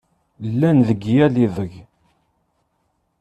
Llan deg yal ideg!